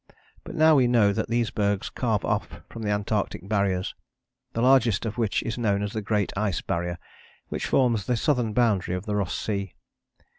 But now we know that these bergs calve off from the Antarctic Barriers, the largest of which is known as the Great Ice Barrier, which forms the southern boundary of the Ross Sea.